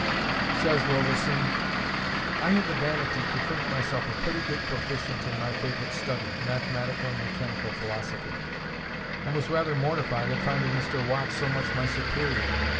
Says Robison: I had the vanity to think myself a pretty good proficient in my favorite study (mathematical and mechanical philosophy), and was rather mortified at finding Mr. Watt so much my superior.